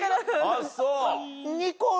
あっそう。